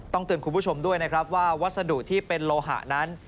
เตือนคุณผู้ชมด้วยนะครับว่าวัสดุที่เป็นโลหะนั้น